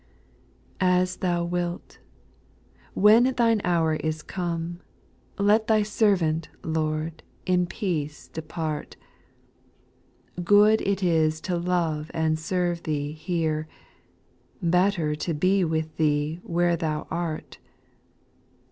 6. As Thou wilt I when Thine hour is come, Let Thy servant, Lord, in peace depart ; Good it is to love and serve Thee here. Better to be with Thee where Thou art.